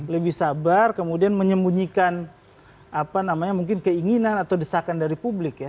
lebih sabar kemudian menyembunyikan apa namanya mungkin keinginan atau desakan dari publik ya